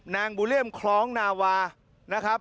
นางบูลเลี่ยมคล้องนาวา